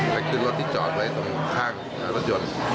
ให้คืนรถที่จอดไว้ที่ตรงข้างรถยนต์